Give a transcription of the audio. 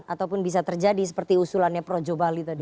ataupun bisa terjadi seperti usulannya projo bali tadi